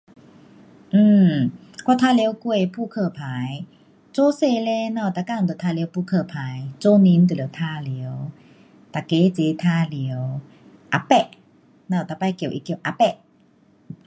um 我玩耍过扑克牌，自小嘞我们每天都玩耍扑克牌，做年就要玩耍。每个齐玩耍 apek。我们每次叫它叫 apek